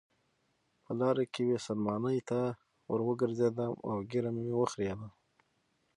په لاره کې یوې سلمانۍ ته وروګرځېدم او ږیره مې وخریل.